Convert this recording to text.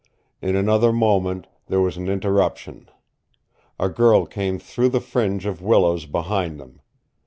In another moment there was an interruption. A girl came through the fringe of willows behind them.